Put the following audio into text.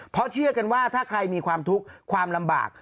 เพราะเชื่อกันว่าถ้าใครมีความทุกข์ความลำบาก